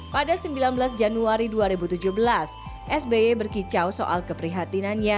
pada sembilan belas januari dua ribu tujuh belas sby berkicau soal keprihatinannya